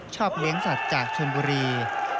ชอบเลี้ยงสัตว์จากชนบุรี